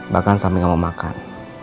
bahkan sampe gak mau makan